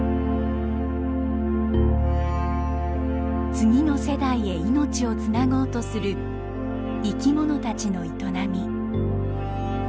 次の世代へ命をつなごうとする生きものたちの営み。